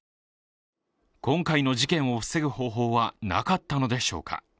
今回の事件を防ぐ方法はなかったのでしょうか。